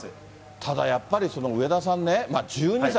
ただやっぱり、上田さんね、１２歳。